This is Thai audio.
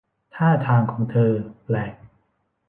ท่าทางของเธอแปลก